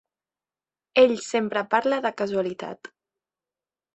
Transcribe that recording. Ell sempre parla de causalitat.